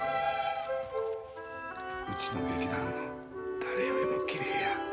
うちの劇団の誰よりもきれいや。